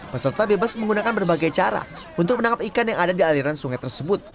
peserta bebas menggunakan berbagai cara untuk menangkap ikan yang ada di aliran sungai tersebut